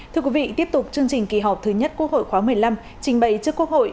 thưa quý vị tiếp tục chương trình kỳ họp thứ nhất quốc hội khóa một mươi năm trình bày trước quốc hội